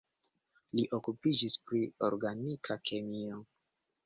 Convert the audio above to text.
Li okupiĝis pri organika kemio.